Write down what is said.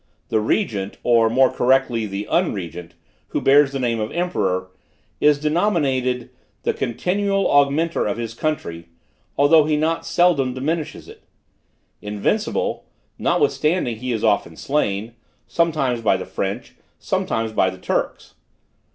The regent, or more correctly the unregent, who bears the name of emperor, is denominated 'the continual augmenter of his country,' although he not seldom diminishes it; 'invincible,' notwithstanding he is often slain: sometimes by the French, sometimes by the Turks.